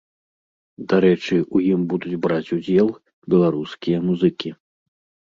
Дарэчы, у ім будуць браць удзел беларускія музыкі.